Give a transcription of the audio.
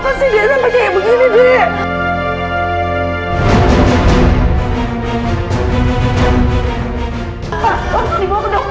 masih dia sampai kayak begini d